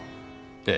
ええ。